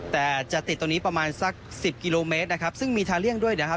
แต่จะติดตรงนี้ประมาณสักสิบกิโลเมตรนะครับซึ่งมีทาเลี่ยงด้วยนะครับ